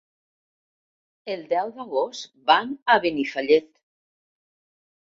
El deu d'agost van a Benifallet.